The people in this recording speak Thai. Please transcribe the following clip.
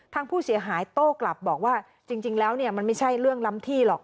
ทางผู้เสียหายโต้กลับบอกว่าจริงแล้วเนี่ยมันไม่ใช่เรื่องล้ำที่หรอก